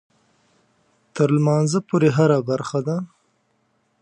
تر لمانځه پورې هره برخه ده.